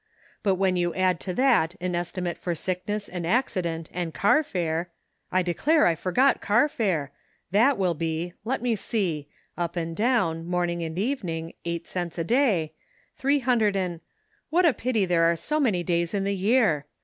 But when you add to that an estimate for sickness and accident and car fare — I declare I forgot car fare — that will be, let me see, up and down, 18 The Pocket Measure. morning and evening, eight cents a day, throe hundred and — what a pity there are so many days in the year!